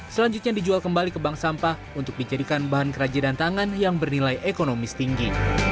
selanjutnya dijual kembali ke bank sampah untuk dijadikan bahan kerajinan tangan yang bernilai ekonomis tinggi